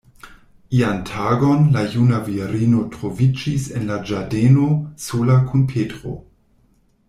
Ian tagon, la juna virino troviĝis en la ĝardeno, sola kun Petro.